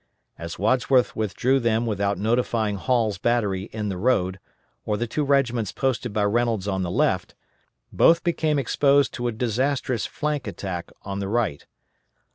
As Wadsworth withdrew them without notifying Hall's battery in the road, or the two regiments posted by Reynolds on the left, both became exposed to a disastrous flank attack on the right.